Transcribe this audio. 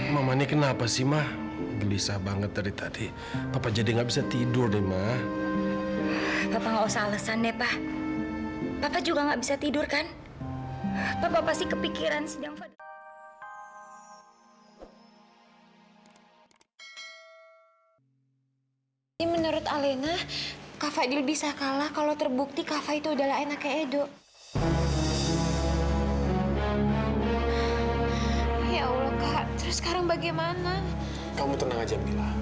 sampai jumpa di video selanjutnya